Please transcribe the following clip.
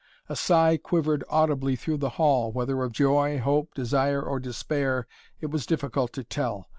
A sigh quivered audibly through the hall, whether of joy, hope, desire or despair it was difficult to tell.